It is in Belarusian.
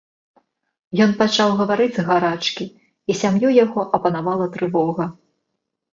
Ён пачаў гаварыць з гарачкі, і сям'ю яго апанавала трывога.